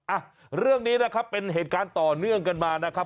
อ่ะเรื่องนี้นะครับเป็นเหตุการณ์ต่อเนื่องกันมานะครับ